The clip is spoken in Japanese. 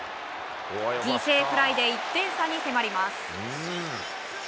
犠牲フライで１点差に迫ります。